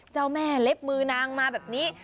เจ้าแม่เล็บมือนางมาแบบนี้